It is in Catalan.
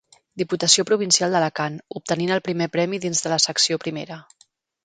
Diputació Provincial d'Alacant, obtenint el Primer Premi dins de la Secció Primera.